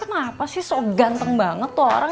kenapa sih seoganteng banget tuh orang